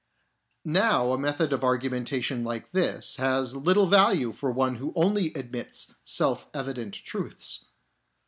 Now a method of argumentation like this has little value for one who only admits self evident truths.